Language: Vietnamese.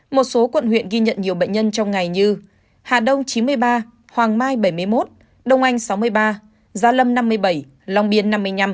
một số quận huyện ghi nhận nhiều bệnh nhân trong ngày như hà đông chín mươi ba hoàng mai bảy mươi một đông anh sáu mươi ba gia lâm năm mươi bảy long biên năm mươi năm